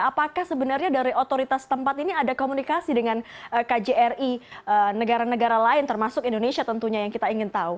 apakah sebenarnya dari otoritas tempat ini ada komunikasi dengan kjri negara negara lain termasuk indonesia tentunya yang kita ingin tahu